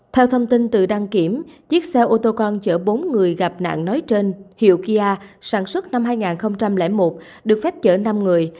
theo thông tin từ đăng kiểm chiếc xe ô tô con chở bốn người gặp nạn nói trên hiệu kia sản xuất năm hai nghìn một được phép chở năm người